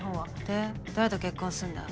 で誰と結婚するんだ？